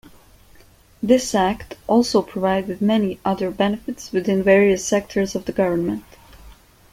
This act also provided many other benefits within various sectors of the government.